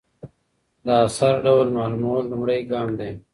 د اثر ډول معلومول لومړی ګام دئ.